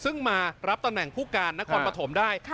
ซึ่งมารับตำแหน่งผู้การนครปฐมได้